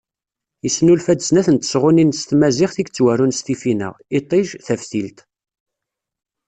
Yesnulfa-d snat n tesɣunin s tmaziɣt i yettwarun s tfinaɣ “Iṭij, Taftilt”.